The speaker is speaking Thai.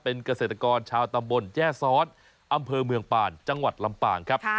เป็นเกษตรกรชาวตำบลแจ้ซ้อนอำเภอเมืองป่านจังหวัดลำปางครับ